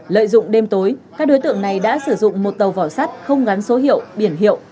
lợi dụng đêm tối các đối tượng này đã sử dụng một tàu vỏ sắt không gắn số hiệu biển hiệu